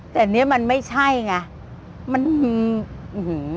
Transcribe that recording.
แต่เนี่ยมันไม่ใช่ไงมันหืม